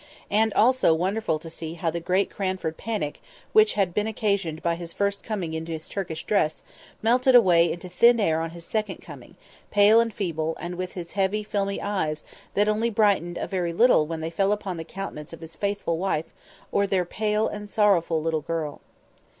And also wonderful to see how the great Cranford panic, which had been occasioned by his first coming in his Turkish dress, melted away into thin air on his second coming—pale and feeble, and with his heavy, filmy eyes, that only brightened a very little when they fell upon the countenance of his faithful wife, or their pale and sorrowful little girl.